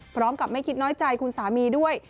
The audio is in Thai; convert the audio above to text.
พร้อมกับไม่คิดน้อยใจคุณสามีด้วย